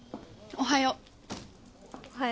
おはよう。